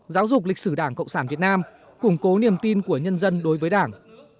giáo dục lịch sử đảng cộng sản việt nam củng cố niềm tin của nhân dân đối với đảng